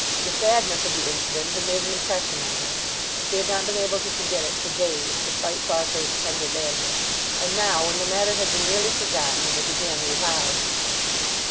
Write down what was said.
The sadness of the incident had made an impression on her. She had not been able to forget it for days, despite Farfrae's tender banter; and now when the matter had been nearly forgotten it was again revived.